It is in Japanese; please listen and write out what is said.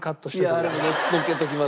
いやあれものっけておきます。